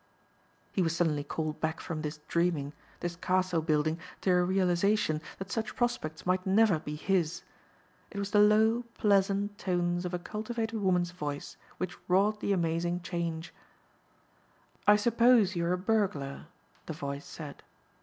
He was suddenly called back from this dreaming, this castle building, to a realization that such prospects might never be his. It was the low, pleasant, tones of a cultivated woman's voice which wrought the amazing change. "I suppose you're a burglar," the voice said.